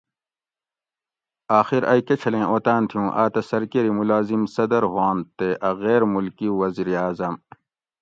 آخیر ائ کۤچھلیں اوطاۤن تھی اُوں آۤتہ سرکیری مُلازم صدر ہوانت تے اۤ غیر مُلکی وزیراعظم